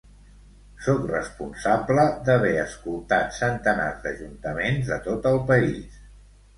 Sóc responsable d’haver escoltat centenars d’ajuntaments de tot el país.